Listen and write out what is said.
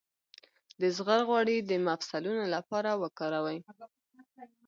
د زغر غوړي د مفصلونو لپاره وکاروئ